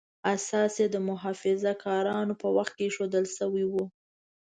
اساس یې د محافظه کارانو په وخت کې ایښودل شوی و.